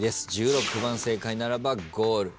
１６番正解ならばゴール。